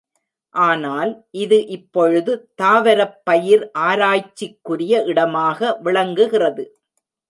ஆனால் இது இப்பொழுது தாவரப்பயிர் ஆராய்ச்சிக்குரிய இடமாக விளங்குகிறது.